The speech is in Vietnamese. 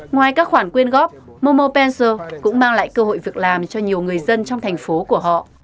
ngoài các khoản quyên góp momo pencil cũng mang lại cơ hội việc làm cho nhiều người dân trong thành phố của họ